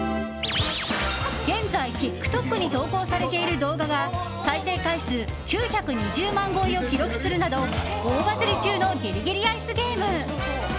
現在、ＴｉｋＴｏｋに投稿されている動画が再生回数９２０万超えを記録するなど大バズり中のギリギリアイスゲーム。